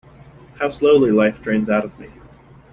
How slowly life drains out of me.